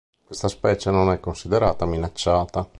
Questa specie non è considerata minacciata.